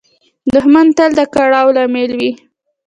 دښمن تل د کړاو لامل وي